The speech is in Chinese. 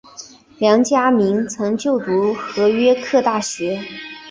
梁嘉铭曾就读和约克大学。